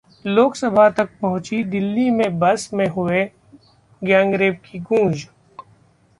लोकसभा तक पहुंची दिल्ली में बस में हुए गैंगरेप की गूंज